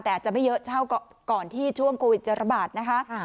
แต่อาจจะไม่เยอะเท่าก่อนที่ช่วงโควิดจะระบาดนะคะ